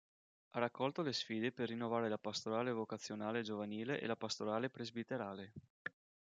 Ha accolto le sfide per rinnovare la pastorale vocazionale giovanile e la pastorale presbiterale.